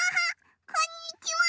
こんにちは。